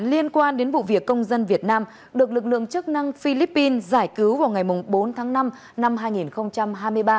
liên quan đến vụ việc công dân việt nam được lực lượng chức năng philippines giải cứu vào ngày bốn tháng năm năm hai nghìn hai mươi ba